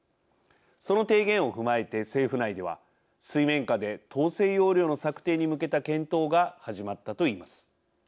その提言を踏まえて政府内では水面下で統制要領の策定に向けた検討が始まったと言います。